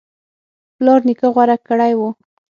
پلار نیکه غوره کړی و